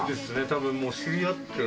多分もう知り合って。